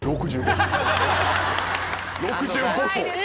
６５層。